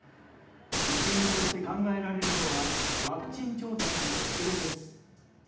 一因として考えられるのはワクチン調達の遅れです。